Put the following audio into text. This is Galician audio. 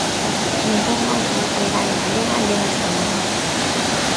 Ningunha outra localidade galega leva este nome.